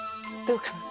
どうかな？